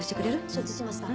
承知しました。